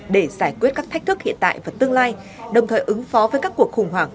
để giải quyết các thách thức hiện tại và tương lai đồng thời ứng phó với các cuộc khủng hoảng